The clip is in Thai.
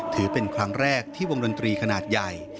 ถือเป็นครั้งแรกที่วงดนตรีขนาดใหญ่